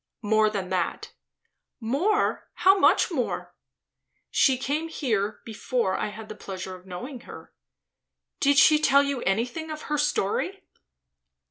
"More than that" "More? How much more?" "She came here before I had the pleasure of knowing her." "Did she tell you anything of her story?"